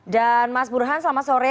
dan mas burhan selamat sore